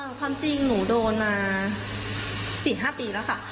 ความจริงหนูโดนมา๔๕ปีแล้วค่ะ